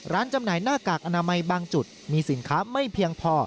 จำหน่ายหน้ากากอนามัยบางจุดมีสินค้าไม่เพียงพอ